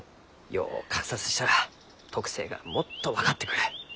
よう観察したら特性がもっと分かってくる。